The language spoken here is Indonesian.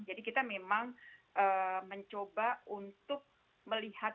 jadi kita memang mencoba untuk melihat